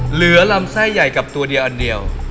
เหลือลำไส้ใหญ่กับตัวเดียวอันเดียว